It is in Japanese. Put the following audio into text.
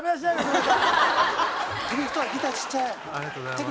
ありがとうございます。